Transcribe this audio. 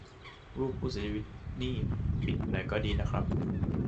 รูปผู้เสียชีวิตนี่ปิดหน่อยก็ดีนะครับ